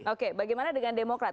oke bagaimana dengan demokrat